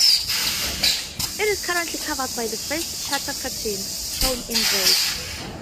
It is currently covered by the first shutter curtain, shown in red.